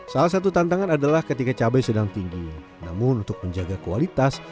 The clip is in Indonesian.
salah satu tantangan adalah ketika cabai sedang tinggi namun untuk menjaga kualitas